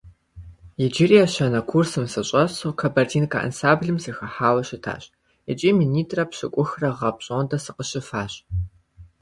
Иджыри ещанэ курсым сыщӀэсу, «Кабардинка» ансамблым сыхыхьауэ щытащ икӀи минитӀрэ пщӀыкӀухрэ гъэ пщӀондэ сыкъыщыфащ.